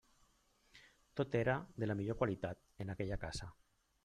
Tot era de la millor qualitat en aquella casa.